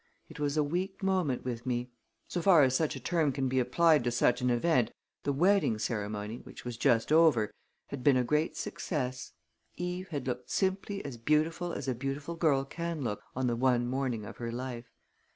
It was a weak moment with me. So far as such a term can be applied to such an event, the wedding ceremony, which was just over, had been a great success. Eve had looked simply as beautiful as a beautiful girl can look on the one morning of her life.